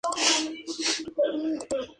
CubeSat como carga ficticia.